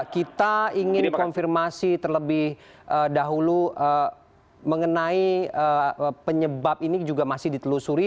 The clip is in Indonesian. kita ingin konfirmasi terlebih dahulu mengenai penyebab ini juga masih ditelusuri